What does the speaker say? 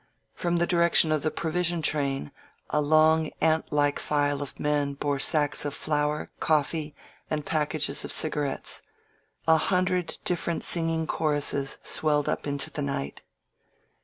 From the direction of the provision train a long ant like file of men bore sacks of flour, coffee, and packages of ciga rettes. ••• A hundred different singing choruses swelled up into the night.